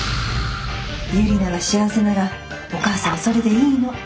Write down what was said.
ユリナが幸せならお母さんそれでいいの。